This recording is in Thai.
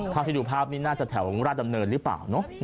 เท่าที่ดูภาพนี้น่าจะแถวราชดำเนินหรือเปล่าเนอะ